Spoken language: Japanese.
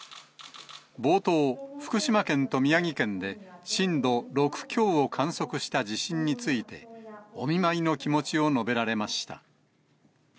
冒頭、福島県と宮城県で、震度６強を観測した地震について、お見舞いの気持ちを述べられました。